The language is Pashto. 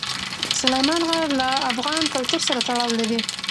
سلیمان غر له افغان کلتور سره تړاو لري.